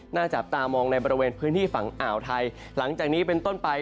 จับตามองในบริเวณพื้นที่ฝั่งอ่าวไทยหลังจากนี้เป็นต้นไป